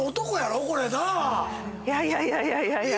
いやいやいやいやいやいや！